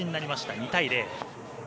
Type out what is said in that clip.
２対０。